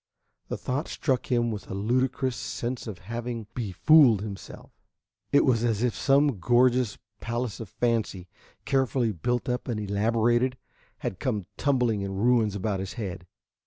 The thought struck him with a ludicrous sense of having befooled himself. It was as if some gorgeous palace of fancy, carefully built up and elaborated, had come tumbling in ruins about his head.